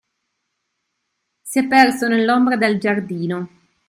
Si è perso nell'ombra del giardino.